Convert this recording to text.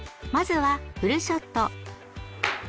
まずはフルショット。